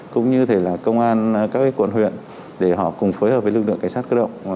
cũng như công an các quận huyện để họ cùng phối hợp với lực lượng cảnh sát cơ động